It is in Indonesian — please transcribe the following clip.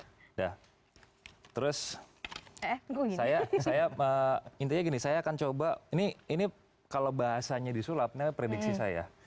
udah terus saya saya intinya gini saya akan coba ini ini kalau bahasanya disulapnya prediksi saya